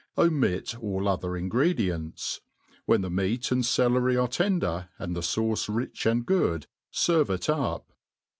Omit all the ptber .ingredients, Wl^en the meat and celery are tender, and the fauce rich and good, ferve it up.